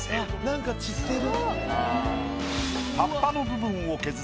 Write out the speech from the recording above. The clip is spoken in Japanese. なんか散ってる。